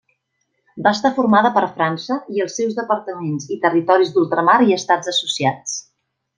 Va estar formada per França i els seus departaments i territoris d'ultramar i estats associats.